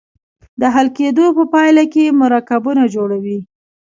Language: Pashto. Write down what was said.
د حل کیدو په پایله کې مرکبونه جوړوي.